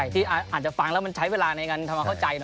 ที่อาจจะฟังแล้วมันใช้เวลาในการทำความเข้าใจ